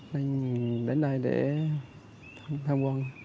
nên đến đây để tham quan